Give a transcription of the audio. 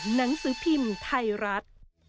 หนังสือปินไทยรัฐ